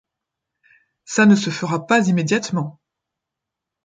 Ca ne se fera pas immédiatement.